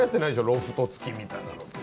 ロフト付きみたいなの。